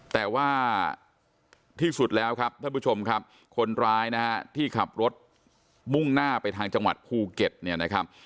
แต่ว่าที่สุดแล้วครับท่านผู้ชมครับคนร้ายนะฮะที่ขับรถมุ่งหน้าไปทางจังหวัดภูเก็ตเนี่ยนะครับ